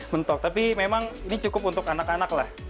mentok tapi memang ini cukup untuk anak anak lah